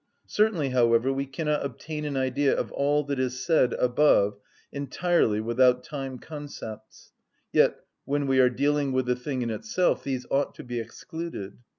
Certainly, however, we cannot obtain an idea of all that is said above entirely without time‐concepts; yet when we are dealing with the thing in itself these ought to be excluded.